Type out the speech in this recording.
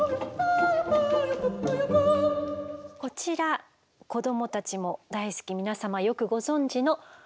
こちら子どもたちも大好き皆様よくご存じの。